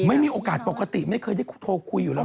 ไม่มีโอกาสปกติไม่เคยได้โทรคุยอยู่แล้ว